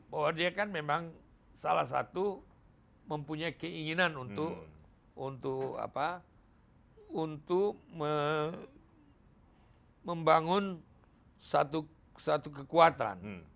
bahwa dia kan memang salah satu mempunyai keinginan untuk membangun satu kekuatan